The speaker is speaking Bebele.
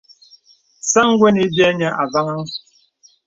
Sāŋ gwə́n ï biə̂ niə avàhàŋ.